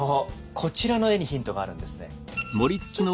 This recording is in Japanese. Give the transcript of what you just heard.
こちらの絵にヒントがあるんですね。